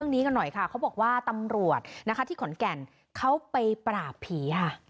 นี้กันหน่อยค่ะเขาบอกว่าตำรวจนะคะที่ขอนแก่นเขาไปปราบผีค่ะ